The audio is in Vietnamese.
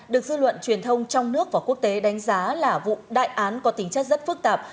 được dư luận truyền thông trong nước và quốc tế đánh giá là vụ đại án có tính chất rất phức tạp